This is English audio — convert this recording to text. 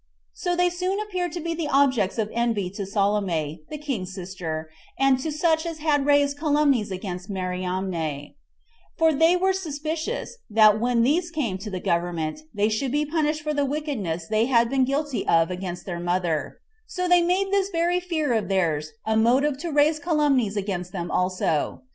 So they soon appeared to be the objects of envy to Salome, the king's sister, and to such as had raised calumnies against Mariamne; for they were suspicious, that when these came to the government, they should be punished for the wickedness they had been guilty of against their mother; so they made this very fear of theirs a motive to raise calumnies against them also.